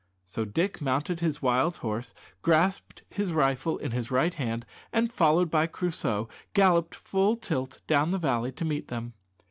So Dick mounted his wild horse, grasped his rifle in his right hand, and, followed by Crusoe, galloped full tilt down the valley to meet them.